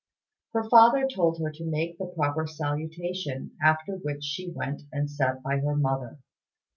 Her father told her to make the proper salutation, after which she went and sat by her mother.